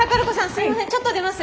すいませんちょっと出ます。